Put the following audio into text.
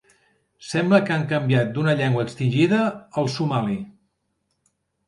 Sembla que han canviat d'una llengua extingida al somali.